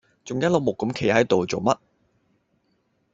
仲一碌木咁企係度做乜